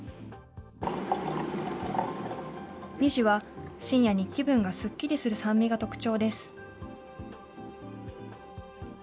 ＮＩＪＩは深夜に気分がすっきりする酸味が特徴です。